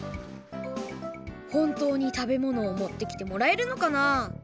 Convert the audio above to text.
ほんとうに食べ物を持ってきてもらえるのかな？